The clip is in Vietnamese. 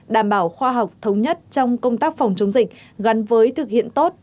đảm bảo khoa học thống nhất trong công tác phòng chống dịch gắn với thực hiện tốt